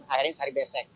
akhirnya nyari besek